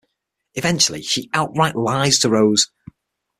Eventually she outright lies to Rose.